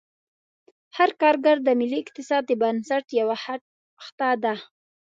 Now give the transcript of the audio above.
هر کارګر د ملي اقتصاد د بنسټ یوه خښته ده.